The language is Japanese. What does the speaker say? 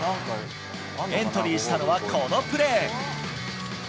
エントリーしたのはこのプレー。